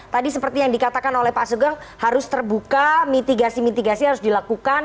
tadi seperti yang dikatakan oleh pak sugeng harus terbuka mitigasi mitigasi harus dilakukan